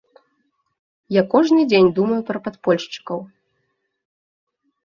Я кожны дзень думаю пра падпольшчыкаў.